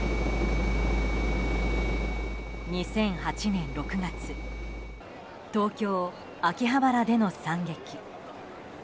２００８年６月東京・秋葉原での惨劇。